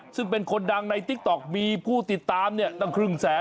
ซึ่งเป็นคนดังในติ๊กต๊อกมีผู้ติดตามเนี่ยตั้งครึ่งแสน